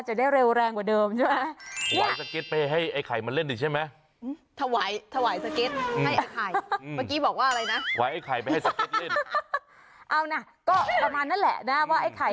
ชาวบ้านก็จุดกันโป้งดังสนันวัตรเลย